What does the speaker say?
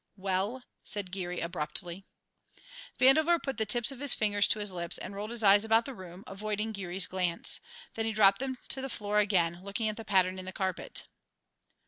"Well?" said Geary abruptly. Vandover put the tips of his fingers to his lips and rolled his eyes about the room, avoiding Geary's glance; then he dropped them to the floor again, looking at the pattern in the carpet.